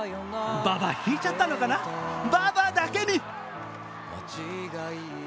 ババ引いちゃったのかなバーバーだけに。